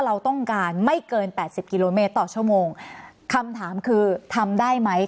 เราต้องการไม่เกินแปดสิบกิโลเมตรต่อชั่วโมงคำถามคือทำได้ไหม